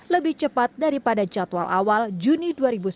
lebih cepat daripada jadwal awal juni dua ribu sembilan belas